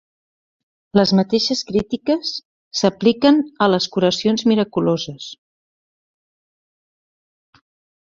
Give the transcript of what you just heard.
Les mateixes crítiques s'apliquen a les curacions miraculoses.